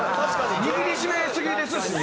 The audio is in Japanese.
握り締めすぎですしね。